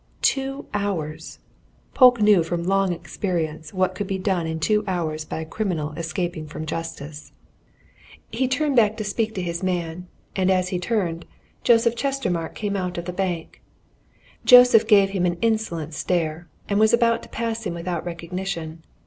Two hours! Polke knew from long experience what can be done in two hours by a criminal escaping from justice. He turned back to speak to his man and as he turned, Joseph Chestermarke came out of the bank. Joseph gave him an insolent stare, and was about to pass him without recognition.